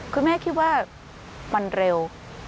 คุณแม่คิดว่ามันเร็ว